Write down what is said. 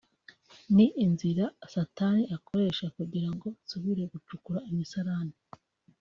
ni inzira satani akoresha kugira ngo nsubire gucukura imisarane